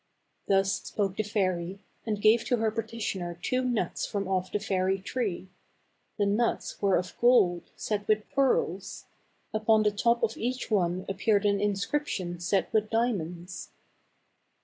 Thus spoke the fairy, and gave to her petitioner two nuts from off the fairy tree. The nuts were 214 THE CAB AVAN. of gold, set with pearls. Upon the top of each one appeared an inscription set with diamonds.